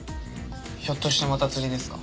ひょっとしてまた釣りですか？